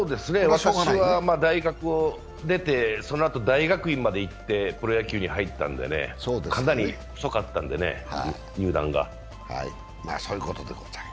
私は大学を出て、そのあと大学院まで出てプロ野球に入ったので、かなり遅かったので入団が。